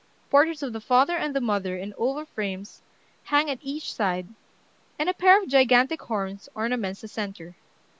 Portraits of the father and mother in oval frames hang at each side, and a pair of gigantic horns ornaments the centre.